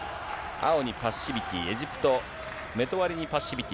青にパッシビティ、エジプト、メトワリにパッシビティ。